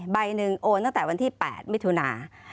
ใบหนึ่งโอนตั้งแต่วันที่๘มิถุนา